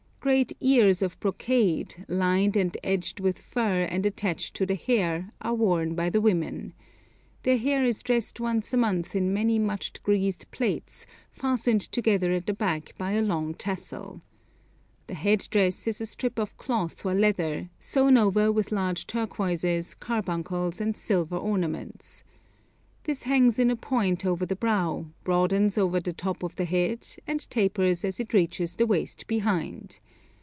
Great ears of brocade, lined and edged with fur and attached to the hair, are worn by the women. Their hair is dressed once a month in many much greased plaits, fastened together at the back by a long tassel. The head dress is a strip of cloth or leather, sewn over with large turquoises, carbuncles, and silver ornaments. This hangs in a point over the brow, broadens over the top of the head, and tapers as it reaches the waist behind.